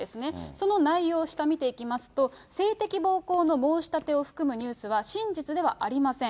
その内容、下を見ていきますと、性的暴行の申し立てを含むニュースは真実ではありません。